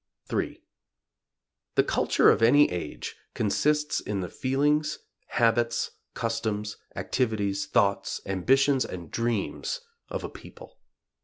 III. The culture of any age consists of the feelings, habits, customs, activities, thoughts, ambitions and dreams of a people.